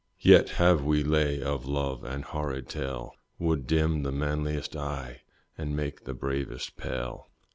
Yet have we lay of love and horrid tale Would dim the manliest eye and make the bravest pale.